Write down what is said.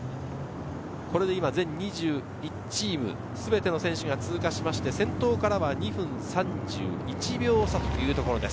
全２１チームすべての選手が通過して、先頭からは２分３１秒差というところです。